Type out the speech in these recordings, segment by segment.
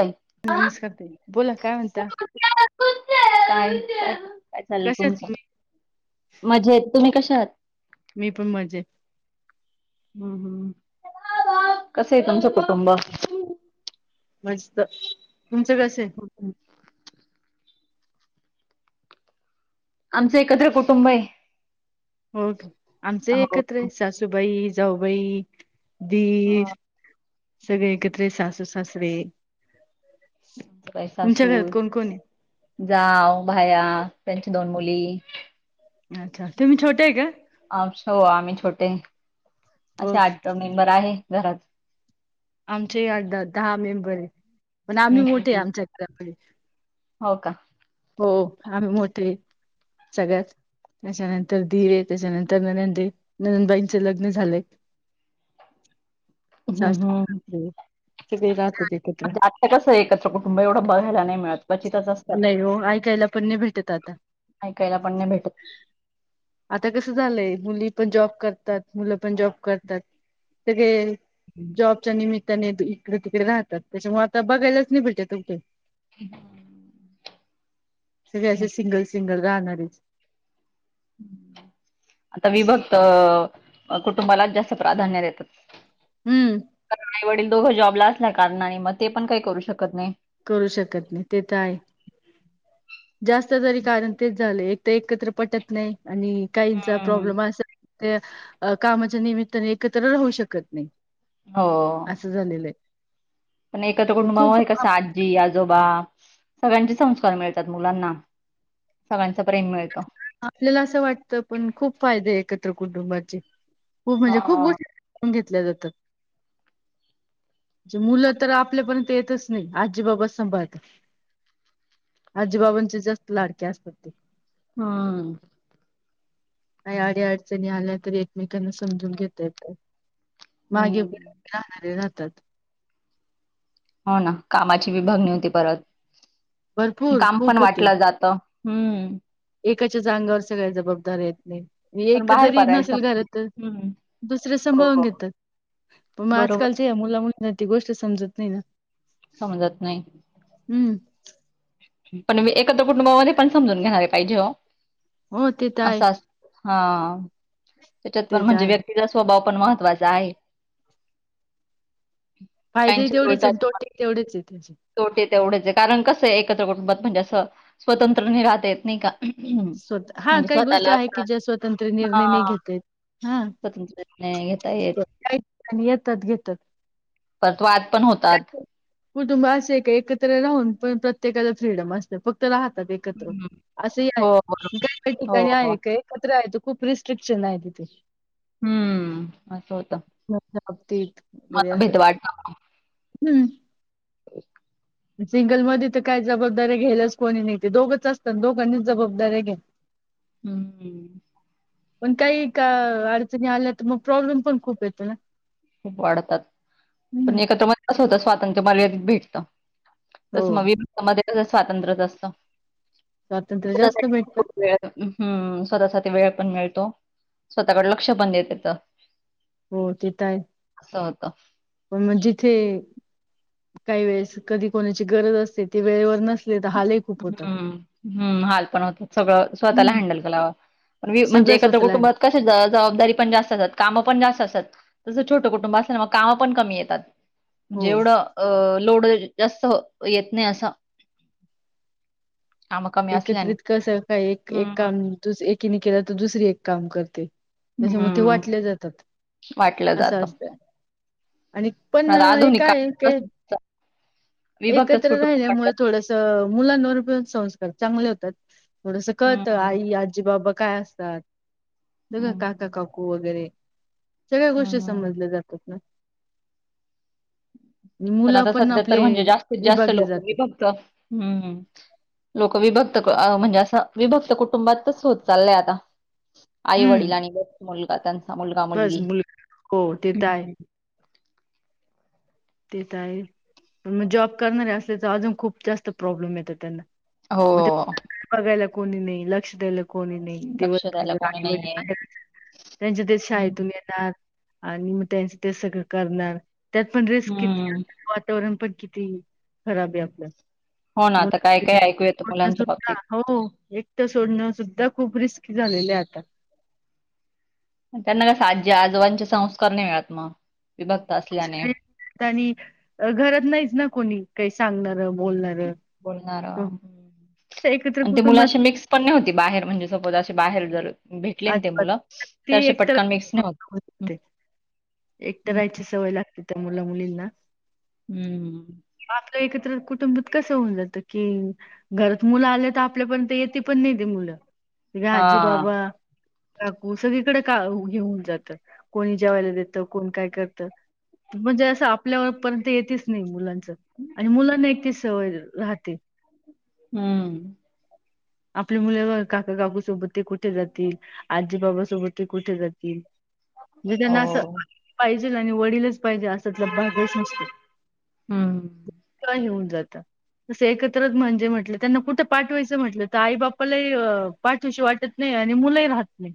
काय? नमस्कार ताई बोला काय म्हणता [unintelligible] काय चाललय कशा आहेत तुमच? तुम्ही? म्हणजे तुम्ही कशा आहात? मी पण मजेत. हू हू हू. कस आहे तुमचं कुटुंब? मस्त, तुमचं कस ए? आमचं एकत्र कुटुंब हाये. हो का? आमच ही एकत्र आहे सासूबाई, जाऊबाई दीर सगळे एकत्र ये सासू, सासरे तुमच्या घरात पैसासुर कोण कोण आहे? जाऊ, भाया त्यांची दोन मुली. अच्छा, तुम्ही छोटे आहे का? आवशो आम्ही छोटे, हो असे का आठ धा मेंबर आहे घरात. आमचे आट दहा मेंबर आहे, पण आम्ही हम्म मोठे हम्म आमच्या घराकडे. हो का? हो आम्ही मोठे सगळ्यात त्याच्यानंतर दिर, त्याच्यानंतर ननंद ये, ननंदबाईंचे लग्न झालय. हू ह. सासरे सगळे राहतात एकत्र म्हणजे आत्ता कसं एकत्र कुटुंब एवढं बघायला नाही मिळत क्वचितच असतात. बघायला पण नाही भेटत आता. ऐकायला पण नाही भेटत. आता कस झाल य? मुली पण जॉब करतात, मुलं पण जॉब करतात सगळे जॉबच्या निमित्ताने इकडे तिकडे राहतात. त्याच्यामुळे आता बघायलाच नाही भेटत कुठे? ह [inaudible] सगळे असे, सिंगल सिंगल राहणारेच. आता वीभक्त कुटुंबालाच जास्त प्राधान्य देतात. हम्म आई वडील दोघं जॉबला असल्या कारणाने, मग ते पण काही करू शकत नाही. करू शकत नाही ते तर आहे जास्त तरी कारण तेच झालंय, एक तर एकत्र पटत नाही आणि काहींचा हम्म. प्रॉब्लेम आस ते कामाच्या निमित्ताने एकत्र राहू शकत नाही. हो आसं झालेलं ए. पण एकत्र कुटुंब हवं हाय का [unintelligible] आजी, आजोबा सगळ्यांचे संस्कार मिळतात मुलांना. प्रेम मिळतं. आपल्याला असं वाटत, पण खूप फायदे एकत्र कुटुंबाचे. हो म्हणजे खूप हा. गोष्टी समजून घेतल्या जातात. म्हंजे मुले तर आपल्यापर्यंत येतच नाही, आजी बाबाच सांभाळतात. आजीबाबांचे जास्त लाडके असतात ते. हां. काही अडीअडचणी आल्या तरी, एकमेकांना समजून घेता येतात. मागे हम्म. राहणारे राहतात. हो ना, कामाची विभागणी होती परत, भरपूर काम पण खूप होते. वाटलं जात. हूम्. एकाच्याच अंगावर सगळ्या जबाबदार येत नाहीत. पण एक बाहेर जरी पडायचं नसेल घरात तर हम्म दुसरे सांभाळून हो घेतात, पण मग बरोबर आजकालच्या या मुला मुलींना ती गोष्ट समजत नाही ना. समजत नाही. हम्म पण मी एकत्र कुटुंबामध्ये पण समजून घेणारे पाहिजे ओ. हो ते तर आहे. हा त्याच्यात पण ते तर म्हणजे आहे. व्यक्तीचा स्वभाव पण महत्त्वाचा आहे. फायदे ही काहींचे तेवढेच आहेत गुळचाच आणि तोटेही तेवढेच आहेत त्याचे. तोटे तेवढेच आहे. कारण कसं आहे एकत्र कुटुंबात म्हणजे असं स्वतंत्र नाही राहता येत नाही का? स्वतः हा म्हणजे काही स्वतःला गोष्टी आहे असं की, ज्या स्वतंत्र निर्णय नाही हां, घेता येत. हा स्वतंत्र निर्णय घेता येत. काही ठिकाणी येतात घेतात. परत वाद पण होतात. कुटुंब असं आहे का एकत्र राहून पण प्रत्येकाला फ्रीडम असतं, फक्त राह तात एकत्र, हं. असं ही आहे, हो, बरोबर. काय काय हो, ठिकाणी हो. आहे का एकत्र आहे त खूप रिस्ट्रिक्शन आहे तिथे. हम्म, असं हो [unintelligible] बाबतीत, वाढतात. हम्म. [inaudible] अन सिंगलमध्ये तर काय जबाबदारी घ्यायलाच कोणी नाही, ते दोघंच असतात दोघांनीच जबाबदाऱ्या घ्या. हं. पण काही का अडचणी आल्या तर मग प्रॉब्लेम पण खूप येतो ना. खूप वाढतात, हम्म पण एकत्र मध्ये कसं होतं स्वातंत्र्य मर्यादीत भेटतं. हो तसं मग विभक्त मध्ये पण स्वातंत्र्यच असतं. स्वातंत्र्य जास्त भेटतं. हम्म, स्वतःसाठी वेळ पण मिळतो, स्वतःकडे लक्ष पण देता येतं. हो ते तर आहे. असं होतं. पण मग जिथे काही वेळेस कधी कोणाची गरज असते ती वेळेवर नसले तर हालही खूप होतात हम्म हम्म, हाल पण होतात सगळं स्वतःला हम्म हँडल करावं पण वि म्हणजे सगळं एकत्र स्वतःला हँड कुटुंबात कशा ज जबाबदारी पण जास्त असतात, कामं पण जास्त असतात. तसं छोटं कुटुंब असलं ना मग कामं पण कमी येतात, हो म्हणजे एवढं अ लोड अ‌ जास्त येत नाही असं. कामं कमी असल्याने एकत्रित कसं काय एक एक हम्म काम दु एकीने केलं तर, दुसरी एक काम करते. त्याच्यामुळं ते हम्म वाटल्या जातात, वाटलं असं जातं असतंय. आणि पण आता अ हे आधुनिक काय काळात के कसं विभक्तच एकत्र कुटुंब राहिल्यामुळे वाटलं थोडसं मुलांवर पण संस् कार चांगले होतात, थोडंसं कळतं हम्म आई, आजी, बाबा काय असतात. त्याला काका हम्म काकू वगैरे सगळ्या गोष्टी हम्म समजल्या जातात ना. आणि पण मुलं आता सध्या तर आपले म्हणजे जास्तीत जास्त विभागले लोकं जातात. विभक्त, हम्म, लोक विभक्त क अ म्हणजे असं विभक्त कुटुंबातच होत चाललंय आता. आई वडिल हम्म आणि [unintelligible] मुलगा त्यांचा मुलगा बस मुलगी, मुल हो ते तर आहे हम्म. ते तर आहे पण मग जॉब करणारे असल्या तर अजून खूप जास्त प्रॉब्लेम येतो त्यांना हो मग ते बघायला कोणी नाही लक्ष दलं कोणी नाही दिवस लक्ष द्यायला कोणी नाहीये त्यांच्या ते शा आहे हम्म. तुम् येणार आणि मग त्यांच ते सगळं करणार त्यात पण रेस किती हम्म वातावरण पण किती खराब आहे आपल्या हो ना आता काय काय ऐक हो एकटं सोडणं सुद्धा खूप रिस् झालेले आता त्यांना काज्या आजोबांचे संस्कार नाही मिळत मग विभक्त असल्याने आणि अ घरात नाहीच ना कोणी काही सांगणार बोलणार बोलणार एकत्र ते कुटुंबात मुलाशी मिक्स पण नाही होती बाहेर म्हणजे सपोज अे बाहेर जर भेटले ना ते अच्छा मुलं ती असे एक तर पटकन मिक्स नाही होत एकट हम्म राहायची सवय लागते त्या मुला मुलींना हम्म आपलं एकत्र कुटुंबात कस होऊन जातं की घरात मुलं आले तर आपल्यापर्यंत येेत पण नाही ते मुलं हा आजी बाबा काकू सगळीकडे का घेऊन जातं कोणी जेवायला देत कोण काय करतं म्हणजे असं आपल्यावर पर्यंत येेतच नाही मुलांच आणि मुलाना ते सवय राहते हम्म आपल्या मुलंवर काकाकाकूसोबत ते कुठे जातील आजी बाबासोबत ते कुठे जातील म्हणजे हो त्यांना असं पाहिजेल आणि वडीलच पाहिजे असंतलं भाग्य संस्कृ हम जात एकत्र म्हणजे म्हट त्यांना कुठ पाठवायचं म्हटलं आई बापालाही पाठीवशी वाटत नाही आणि मुलंही राहत नाही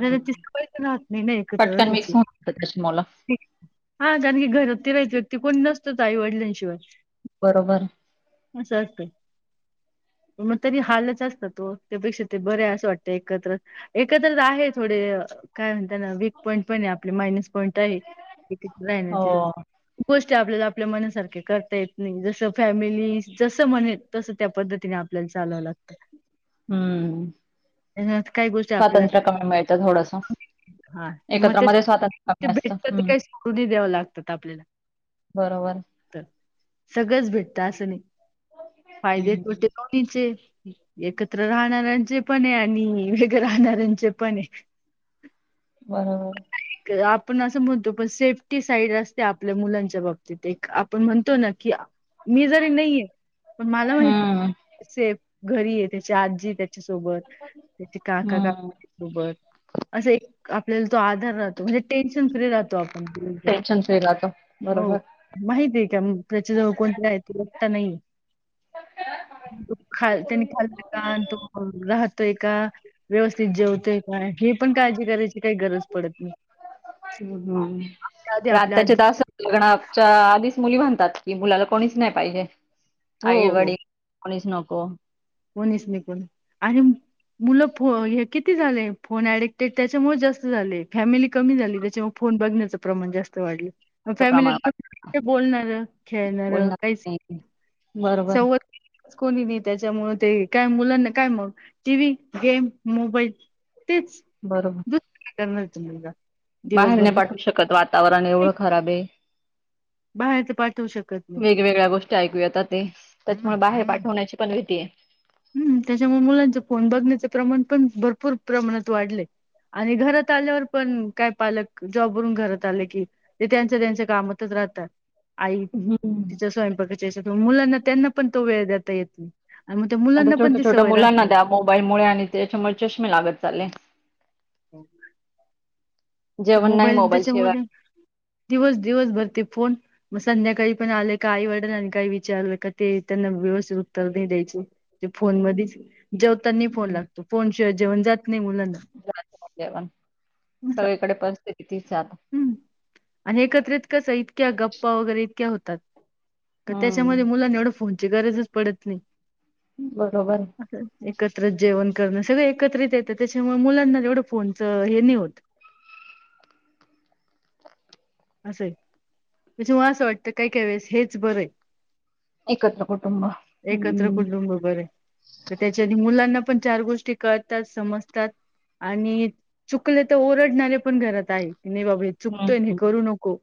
नाही ना तच पळचणहत नाही ना एकत्र पटकन राहायची मिक्स होतात तशी मुलं हा कारण की घरात त राहते व्यक्ती कोण नसतो तर आईवडिलांशिवाय बरोबर ह सते मग तरी हालच असतात तो त्यापेक्षा ते बरे आहे असं वाटतं एकत्र एकत्रच आहे थोडे काय म्हणता ना वीक पॉईंट पण आहे आपले मायनस पॉईंट आहे राण्याचे हो गोष्ट आपल्याला आपल्या मनासारखे करता येत नाही जस फॅमिली जस म्ह तस त्या पद्धतीने आपल्या चालवं लागत हम्म काही गोष्टी आपल्याला स्वातंत्र्य कमी मिळतं थोडंसं. हा ते मग एकत्र ते मध्ये स्वातंत्र्य ते कमी असतं. भेटतात ते हम्म. काही समृधी द्याव लागतात आपल्याला बरोबर. तर सगळंच भेटत असं नाही फायदे हम् ह् तोटे एकत्र राहणाऱ्यांचे पण आहे आणि वेगळे राहणाऱ्यांचे पण आहे बरोबर क- आपण असं म्हणतो पण सेफ्टी साईड असते आपल्या मुलांच्या बाबतीत एक आपण म्हणतो ना की मी जरी नाहीये पण मला हम्म. माहिती घरी आहे त्याची आजी त्या त्या हम्म. का अस आपल्याला त णेे राह टेन्शन फ्री राहतं. आप बरोबर. माती त्याचे जवळ कोणत आहे तत्ता नाही का आणि तो राहतोय का, व्यवस्थित जेवतोय का, हे पण काळजी करायची काही गरज पडत नाही ह् हम् त्याआधी आपल्या रातताच्या आजी तर लग्नागच्या आधीच मुली म्हणतात की मुलाला कोणीच नाही पाहिजे आईवडील कोणीच नको कोणीस मी कोणी अरे मुलं फ किती झाले फोन ऍडिक्टेड त्याच्यामुळे जास्त झाले फॅमिली कमी झाली त्याच्यामुळे फो बघण्याचं प्रमाण जास्त वाढलं असं प्रमाण वाटतं. फॅमिलीत बोलणार खेळणार बोलणार काहीच नाही. बरोबर संवाद कोणी त्याच्यामुळे ते काय मुलांना काय मग टी व्ही गेम मोबाईल तेच बरोबर. दुसरणार तुला बाहेर नाही पाठवू शकत वातावरण नाही एवढं खराब आहे बाहेर तर पाठवू शकत नाही. वेगवेेगळ्या गोष्टी ऐकूयाेत ते त्याच्यामुळे बाहेर पाठवण्याची पण माहितीय हम्म त्याच्यामुळे मुलांचे फोन बघण्याचे प्रमाण पण भरपूर प्रमाणात वाढले आणि घरात आल्यावर पण काय पालक जॉबवरून घरात आले की ते त्यांच्या त्यांच्या कामातच ात आई हम्म. तिच्या स्वयंपाकाच्या हच्यात मुलांना त्यांना पण तो वेळ देता येत नाही मग त्या आता मुलांना पण छोट्या ती छोट्या सवय राहत मुलांना नाही. द्या मोबाईलमुळे आणि त्याच्यामुळे चष्मे लागत चालले हो ते जेवण नाही मोबाईल शिवाय. त्याच्यामध्ये दिवस दिवस भरते फोन मग संध्याकाळी पण आले काई वाटल आणि काही विचारलं का ते त्यांना व्यवस्थित उत्तर नाही द्यायची फोन म जेवताना फोन हं. लागतो फोनशिवाय जेवण जात नाही मुलांना जवण सगळीकडे परिस्थिती तीच आहे आता. हम्म आणि एकत्रित कस इतक्या गप्पा वगैरे इतक्या होतात का त्याच्यामध्ये हं. मुलांना एवढं फोनची गरजच पडत नाही बरोबर असं एकत्र जेवण करणं सगळ एकत्रित येतं त्याच्यामुळे मुलांना एवढं फोनच हे नाही होत [inaudible] असं आहे म्हणजे म असं वाटतं काय काय वेळेस हेच बरं आहे एकत्र कुटुंब. एकत्र हं. कुटुंब बरे तर त्याच्या आधी मुलांना पण चार गोष्टी करतात समजतात आणि चुकले तर ओरडणारे पण घरात आहे नाही बाबा हे हं, चुकतोय हे हं. करू नको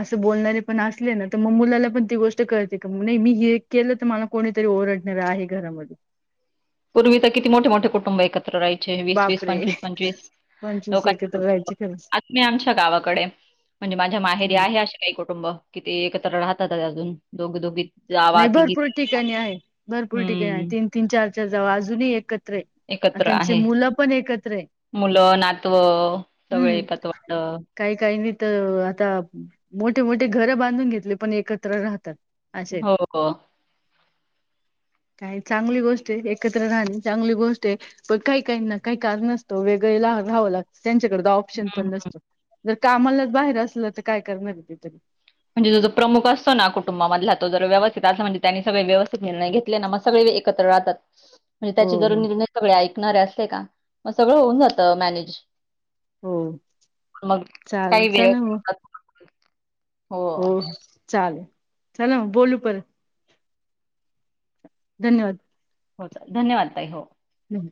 असं बोलणारे पण असले ना तर मग मुलाला पण ती गोष्ट कळते का नाही मी हे केलं तर मला कोणीतरी ओरडणार आहे घरामध्ये पूर्वी तर किती मोठे मोठे कुटुंब आहेत हायचे वीस वीस बापरे पंचवीस पंचवीस पंचवीस लोकां एकत्र राहायची खरंच आता मी आमच्या गावाकडे म्हणजे माझ्या माहेरी हम्म. आहे असे काही कुटुंब किती एकत्र राहतात अजून दोघे दोघे नाही भरपूर ठिकाणी आहे भरपूर ठिकाणी आहे हं. तीन तीन चार चार जाव अजूनही एकत आणि एकत्र त्यांची आहे. मुलं पण एकत्र आहे मुलं नातवं सगळे हम्म पतवाट काही काहीनी तर आता मोठे मोठे घर बांधून घेतले पण एकत्र राहतात असे को काय चांगली गोष्ट आहे एकत्र राहणे चांगली गोष्ट आहे पण काही काही ना काही कारणसतो वेग गला हहावं लागतं त्यांच्याक ऑप्शन पण हं. नसतो जर कामालाच बाहेर असलं तर काय करणार आहे ते तरी म्हणजे जो प्रमुख असतो ना कुटुंबाध तो ज व्यवस्थित अस म्हणेनी सगळे व्यवस्थित निर्णय घेतले ना मग सगळे एकत्र राहतात म्हणजे हो त्याचे जरर हो निर्णय सगळे ऐकणारे असते का मग सगळं होऊन जातं मॅनेज हो मग चालेल काही चला मग वेळात हो चालेल चला बोलू परत धन्यवाद हो चाल धन्यवाद ताई हो हम्